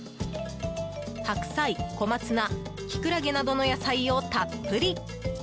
白菜、小松菜、キクラゲなどの野菜をたっぷり。